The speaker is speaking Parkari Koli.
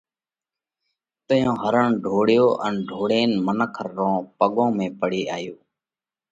تئيون هرڻ ڍوڙيو ان ڍوڙينَ منک رون پڳون ۾ پڙي آيو۔